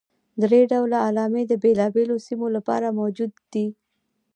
درې ډوله علامې د بېلابېلو سیمو لپاره موجودې دي.